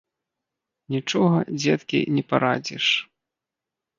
Нічога, дзеткі, не парадзіш.